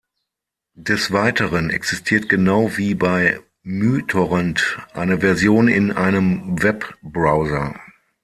Des Weiteren existiert genau wie bei µTorrent eine Version in einem Webbrowser.